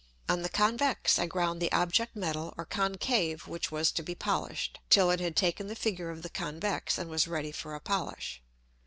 On the convex I ground the Object Metal or Concave which was to be polish'd, 'till it had taken the Figure of the Convex and was ready for a Polish.